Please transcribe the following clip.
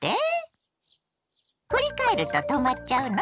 振り返ると止まっちゃうの？